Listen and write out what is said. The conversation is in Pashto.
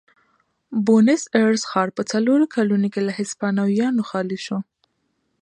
بونیس ایرس ښار په څلورو کلونو کې له هسپانویانو خالي شو.